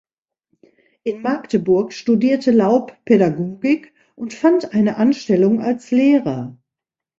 In Magdeburg studierte Laub Pädagogik und fand eine Anstellung als Lehrer.